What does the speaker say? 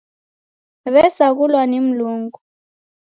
W'esaghulwa ni Mlungu.